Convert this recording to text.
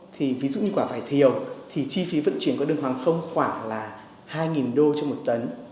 thì ví dụ như quả vải thiều thì chi phí vận chuyển qua đường hàng không khoảng là hai đô trong một tấn